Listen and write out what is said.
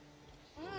うん！